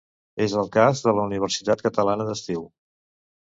És el cas de la Universitat Catalana d'Estiu.